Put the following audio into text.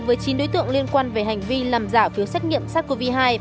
với chín đối tượng liên quan về hành vi làm giả phiếu xét nghiệm sars cov hai